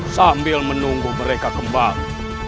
sambil menunggu mereka kembali